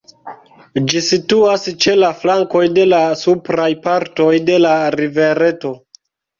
Ĝi situas ĉe la flankoj de la supraj partoj de la rivereto.